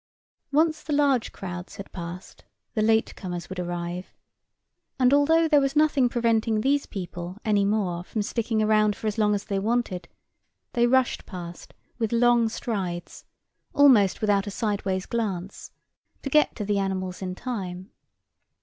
Once the large crowds had passed, the late comers would arrive, and although there was nothing preventing these people any more from sticking around for as long as they wanted, they rushed past with long strides, almost without a sideways glance, to get to the animals in time.